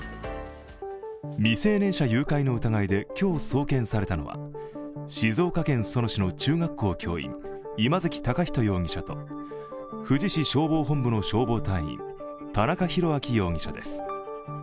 未成年者誘拐の疑いで今日、送検されたのは静岡県裾野市の中学校教員今関崇人容疑者と富士市消防本部の消防隊員、田中宏明容疑者です。